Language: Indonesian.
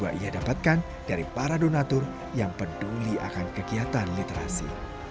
yang ia dapatkan dari para donatur yang peduli akan kegiatan literasi